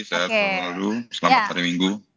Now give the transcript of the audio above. sehat selalu selamat hari minggu